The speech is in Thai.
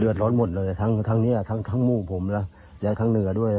เหลือร้อนหมดหมดเลยและทั้งทั้งมู่ผมเนอะและทั้งเหนือด้วย